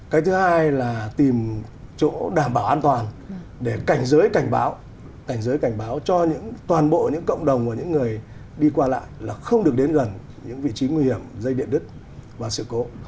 cái thứ hai là tìm chỗ đảm bảo an toàn để cảnh giới cảnh báo cảnh giới cảnh báo cho toàn bộ những cộng đồng và những người đi qua lại là không được đến gần những vị trí nguy hiểm dây điện đứt và sự cố